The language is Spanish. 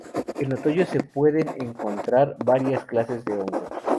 En otoño se pueden encontrar varias clases de hongos.